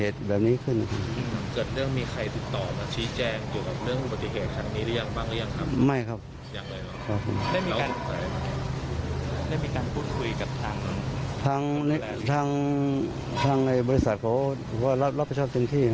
ทางบริษัทเขารักพระเชฟเต็มที่